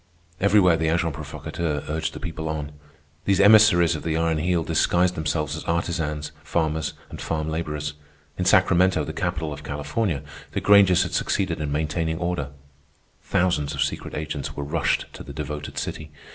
Everywhere the agents provocateurs urged the people on. These emissaries of the Iron Heel disguised themselves as artisans, farmers, and farm laborers. In Sacramento, the capital of California, the Grangers had succeeded in maintaining order. Thousands of secret agents were rushed to the devoted city.